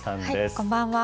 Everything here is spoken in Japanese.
こんばんは。